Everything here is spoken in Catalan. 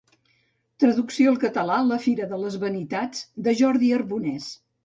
Traducció al català La fira de les vanitats de Jordi Arbonès.